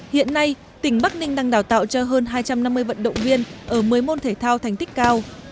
hiện nay tỉnh bắc ninh đang đào tạo cho hơn hai trăm năm mươi vận động viên ở một mươi môn thể thao thành tích cao